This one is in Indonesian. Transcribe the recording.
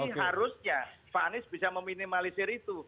jadi harusnya pak anies bisa meminimalisir itu